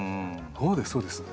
そうですそうです。